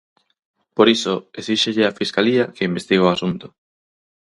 Por iso esíxelle á fiscalía que investigue o asunto.